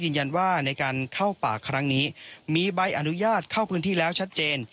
ยืนยันว่าในการเข้าป่าครั้งนี้มีใบอนุญาตเข้าพื้นที่แล้วชัดเจน